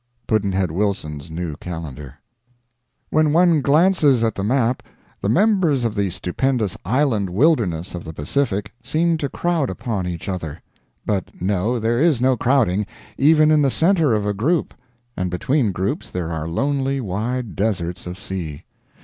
Pudd'nhead Wilson's New Calendar. When one glances at the map the members of the stupendous island wilderness of the Pacific seem to crowd upon each other; but no, there is no crowding, even in the center of a group; and between groups there are lonely wide deserts of sea.